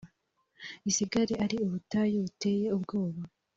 isigare ari ubutayu buteye ubwoba,